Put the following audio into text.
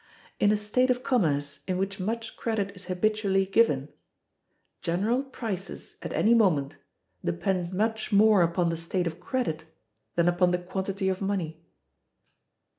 In a state of commerce in which much credit is habitually given, general prices at any moment depend much more upon the state of credit than upon the quantity of money.